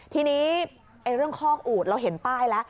ทีนี้เรื่องคอกอูดเราเห็นป้ายแล้ว